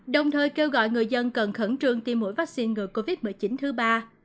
đồng thời kêu gọi người dân cần khẩn trương tiêm mũi vaccine ngừa covid một mươi chín thứ ba